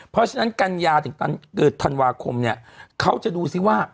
เพราะฉะนั้นกัญญาถึงธันวาคมเนี่ยเขาจะดูซิว่า